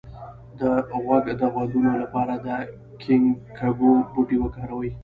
د غوږ د غږونو لپاره د ګینکګو بوټی وکاروئ